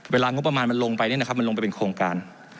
เวลางบประมาณมันลงไปเนี่ยนะครับมันลงไปเป็นโครงการ